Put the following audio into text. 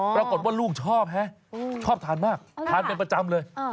ปรากฏว่าลูกชอบฮะชอบทานมากทานเป็นประจำเลย